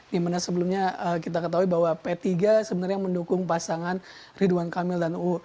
dimana sebelumnya kita ketahui bahwa p tiga sebenarnya mendukung pasangan ridwan kamil dan uu